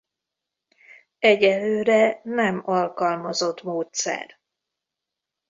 Egyelőre nem alkalmazott módszer.